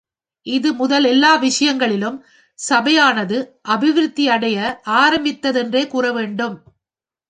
இது முதல் எல்லா விஷயங்களிலும் சபையானது அபிவிருத்தியடைய ஆரம்பித்தது என்றே கூறவேண்டும்.